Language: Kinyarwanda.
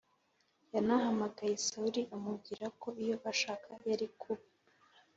Yanahamagaye Sawuli amubwira ko iyo ashaka yari kuba